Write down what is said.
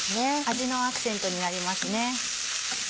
味のアクセントになりますね。